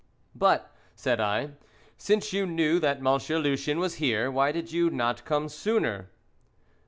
"But," said I, "since you knew that Monsieur Lucien was here, why did you not come sooner?"